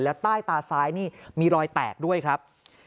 แล้วใต้ตาซ้ายนี่มีรอยแตกด้วยครับ